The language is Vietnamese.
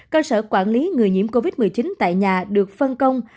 cơ sở quản lý người nhiễm covid một mươi chín tại nhà được phân công